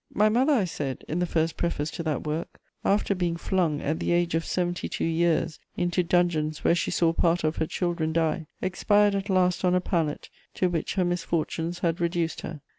_* "My mother," I said, in the first preface to that work, "after being flung, at the age of seventy two years, into dungeons where she saw part of her children die, expired at last on a pallet to which her misfortunes had reduced her.